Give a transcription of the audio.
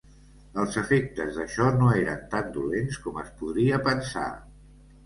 Els efectes d'això no eren tan dolents com es podria pensar